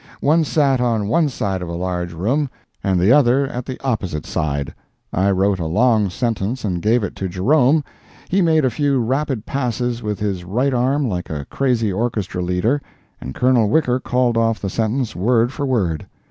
One sat on one side of a large room, and the other at the opposite side. I wrote a long sentence and gave it to Jerome—he made a few rapid passes with his right arm like a crazy orchestra leader, and Colonel Wicker called off the sentence word for word.